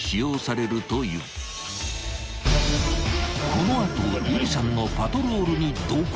［この後有理さんのパトロールに同行］